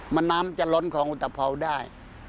มันน้ำจะล้นคลองอุตภาวได้